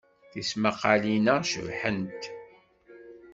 Tismaqqalin-a cebḥent.